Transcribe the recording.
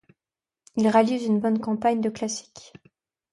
Il réalise une bonne campagne de classiques.